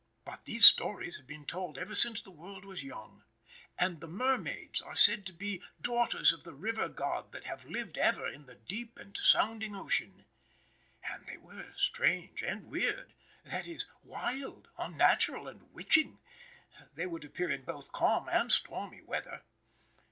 But these stories have been told ever since the world was young. And the mermaids are said to be daughters of the river god that have lived ever in the deep and sounding ocean. And they were strange and weird that is, wild, unnatural, and witching. They would appear in both calm and stormy weather.